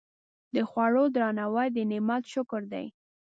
د خوړو درناوی د نعمت شکر دی.